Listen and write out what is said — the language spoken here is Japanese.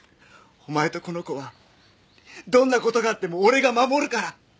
お前とこの子はどんな事があっても俺が守るから。